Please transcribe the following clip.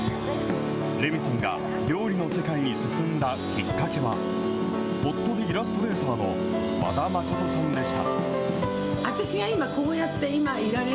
レミさんが料理の世界に進んだきっかけは、夫でイラストレーターの和田誠さんでした。